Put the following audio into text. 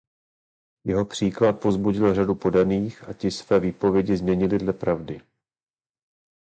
Jeho příklad povzbudil řadu poddaných a ti své výpovědi změnili dle pravdy.